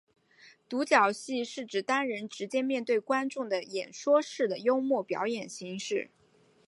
独角戏是指单人直接面对观众的演说式的幽默表演形式。